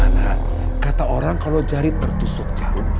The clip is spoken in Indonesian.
nah kata orang kalau jari tertusuk jauh